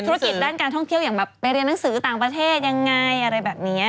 ธุรกิจด้านการท่องเที่ยวอย่างแบบไปเรียนหนังสือต่างประเทศยังไงอะไรแบบนี้